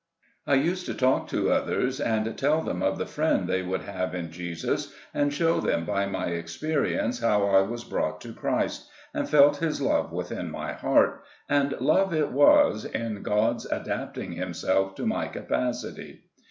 I used to talk to others, and tell them of the friend they would have in Jesus, and show them by my experience how I was brought to Christ, and felt his love within my heart, — and love it was, in God's adapting himself to my capacity.